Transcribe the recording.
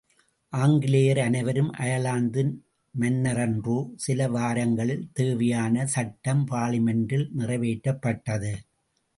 ஆங்கிலேயர் அனைவரும் அயர்லாந்தின் மன்னரன்றோ சில வாரங்களில் தேவையான சட்டம் பார்லிமெண்டில் நிறைவேற்றப்பட்டது.